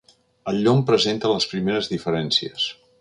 El llom presenta les primeres diferències.